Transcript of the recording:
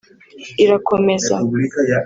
irakomeza